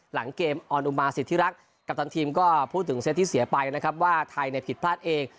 หลังเกมออนอุมาสิทธิรักษ์กัปตันทีมก็พูดถึงเซตที่เสียไปนะครับว่าไทยผิดพลาดเอง